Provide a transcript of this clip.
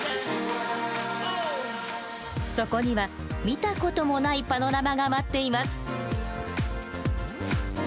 そこには見た事もないパノラマが待っています。